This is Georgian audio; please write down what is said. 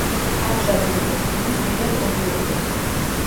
ამჟამად წვრთნის „რეალ ოვიედოს“.